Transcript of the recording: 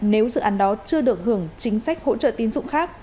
nếu dự án đó chưa được hưởng chính sách hỗ trợ tín dụng khác